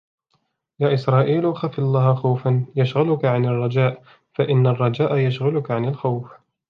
يَا إسْرَائِيلُ خَفْ اللَّهَ خَوْفًا يَشْغَلُك عَنْ الرَّجَاءِ فَإِنَّ الرَّجَاءَ يَشْغَلُك عَنْ الْخَوْفِ